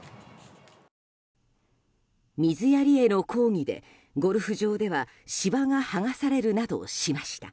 水やりへの抗議で、ゴルフ場では芝が剥がされるなどしました。